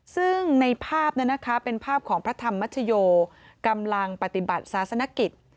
ซึ่งในภาพเป็นภาพของพระธรรมชโยกำลังปฏิบัติศาสนกิจ